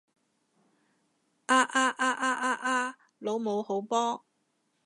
啊啊啊啊啊啊！老母好波！